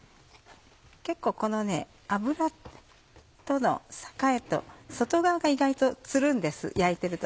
結構この脂との境と外側が意外とつるんです焼いてると。